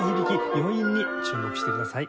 余韻に注目してください。